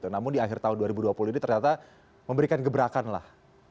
namun di akhir tahun dua ribu dua puluh ini ternyata memberikan gebrakan lah